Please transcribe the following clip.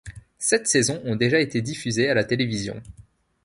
Sept saisons ont déjà été diffusées à la télévision.